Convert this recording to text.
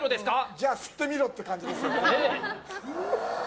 じゃあ吸ってみろって感じですよね。